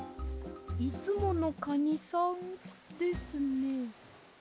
いつものカニさんですね。